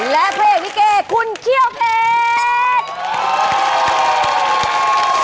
และเพศวิเกคุณเข้อเผช